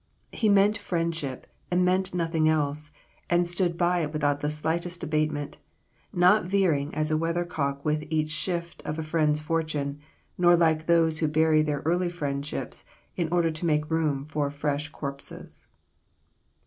He meant friendship, and meant nothing else, and stood by it without the slightest abatement; not veering as a weathercock with each shift of a friend's fortune, nor like those who bury their early friendships, in order to make room for fresh corpses."